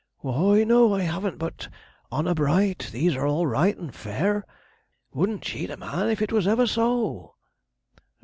'W h o y, no, I haven't: but, honour bright, these are all right and fair. Wouldn't cheat a man, if it was ever so.'